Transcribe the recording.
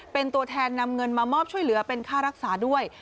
เป็นตัวแทนนำเงินมามอบช่วยเหลือเป็นค่ารักษาด้วย